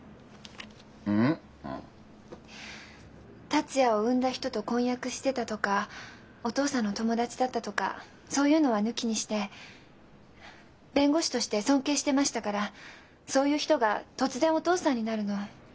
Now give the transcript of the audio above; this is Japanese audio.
達也を産んだ人と婚約してたとかお父さんの友達だったとかそういうのは抜きにして弁護士として尊敬してましたからそういう人が突然お父さんになるの嫌だったんです。